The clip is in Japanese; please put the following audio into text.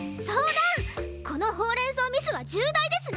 このほうれんそうミスは重大ですね！